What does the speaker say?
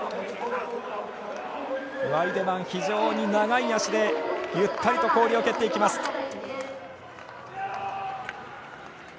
ワイデマン非常に長い足でゆったりと氷を蹴っていきます。